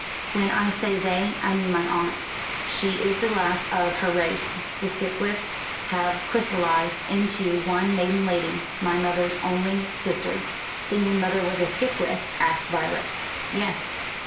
When I say they, I mean my aunt. She is the last of her race. The Skipwiths have crystallised into one maiden lady, my mother's only sister." "Then your mother was a Skipwith?" asked Violet. "Yes."